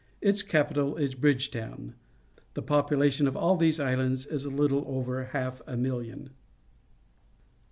Its capital is Bridgetown. The population of all these islands is a little over half a million.